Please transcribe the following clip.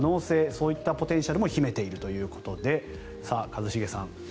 そういったポテンシャルも秘めているということで一茂さん